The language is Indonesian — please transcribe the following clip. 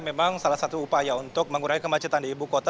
memang salah satu upaya untuk mengurangi kemacetan di ibu kota